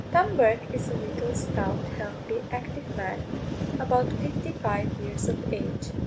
Tom Bourke is a little, stout, healthy, active man, about fifty five years of age.